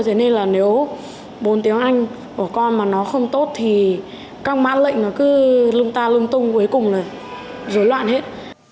thế nên là nếu bốn tiếng anh của con mà nó không tốt thì các mã lệnh nó cứ lung ta lung tung cuối cùng là dối loạn hết